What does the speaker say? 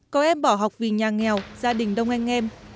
có em bỏ học vì nhà nghèo gia đình đông anh em